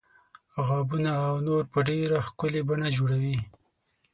غابونه او نور په ډیره ښکلې بڼه جوړوي.